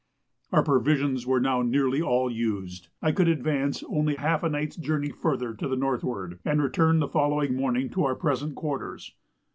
Our provisions being now nearly all used, I could advance only half a night's journey further to the northward, and return the following morning to our present quarters.